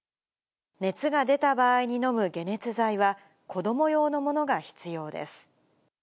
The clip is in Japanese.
熱が出た場合に飲む解熱剤は、子ども用のものが必要です。